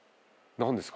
何ですか？